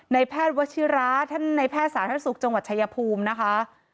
แพทย์วัชิระท่านในแพทย์สาธารณสุขจังหวัดชายภูมินะคะ